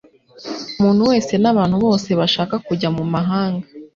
Umuntu wese nabantu bose bashaka kujya mumahanga